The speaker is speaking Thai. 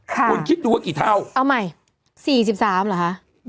คุณคิดดูว่ากี่เท่าเอาใหม่๔๓เหรอคะ